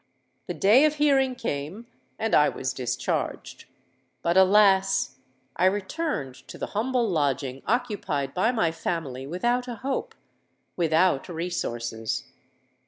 The day of hearing came; and I was discharged. But, alas! I returned to the humble lodging occupied by my family without a hope—without resources.